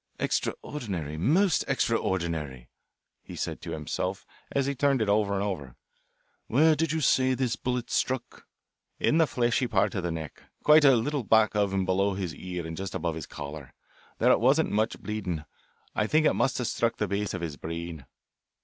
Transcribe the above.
"Extraordinary, most extraordinary," he said to himself as he turned it over and over. "Where did you say this bullet struck?" "In the fleshy part of the neck, quite a little back of and below his ear and just above his collar. There wasn't much bleeding. I think it must have struck the base of his brain."